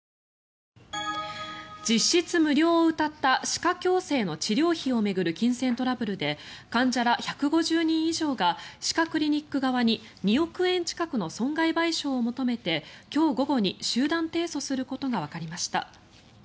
実質無料をうたった歯科矯正の治療費を巡る金銭トラブルで患者ら１５０人以上が歯科クリニック側に２億円近くの損害賠償を求めて今日午後に集団提訴することがわかりました。